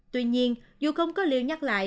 tuy nhiên dù không có liệu nhắc lại